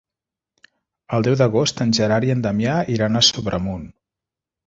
El deu d'agost en Gerard i en Damià iran a Sobremunt.